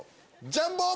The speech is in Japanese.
ジャンボ！